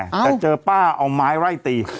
แต่เจอป้าเอาไม้ไล่ตี